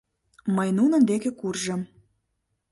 Мый нунын деке куржым.